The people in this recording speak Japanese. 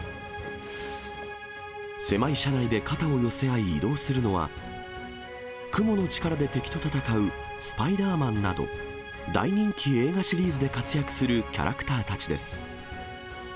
狭い車内で肩を寄せ合い移動するのは、クモの力で敵と戦うスパイダーマンなど、大人気映画シリーズで活躍するキャラクターたちです。